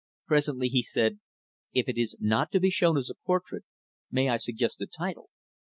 Presently, he said, "If it is not to be shown as a portrait, may I suggest a title?"